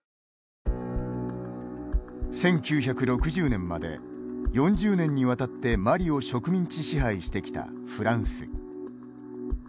１９６０年まで４０年にわたってマリを植民地支配してきたフランス。